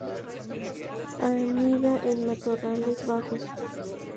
Anida en matorrales bajos.